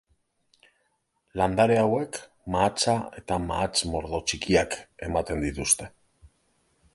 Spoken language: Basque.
Landare hauek mahatsa eta mahats-mordo txikiak ematen dituzte.